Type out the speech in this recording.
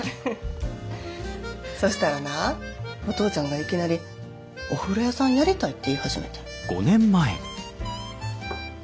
そしたらなお父ちゃんがいきなり「お風呂屋さんやりたい」って言い始めてん。